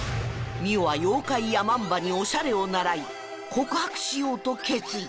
澪は妖怪山姥におしゃれを習い告白しようと決意